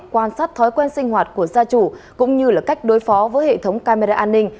quan sát thói quen sinh hoạt của gia chủ cũng như cách đối phó với hệ thống camera an ninh